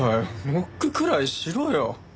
ノックくらいしろよ！